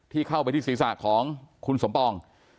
เข้าไปที่ศีรษะของคุณสมปอง